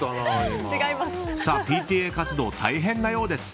ＰＴＡ活動、大変なようです。